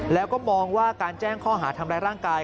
แล้วก็มองว่าการแจ้งข้อหาทำร้ายร่างกาย